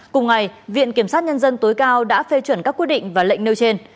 cùng ngày viện kiểm sát nhân dân tối cao đã phê chuẩn các quyết định và lệnh nêu trên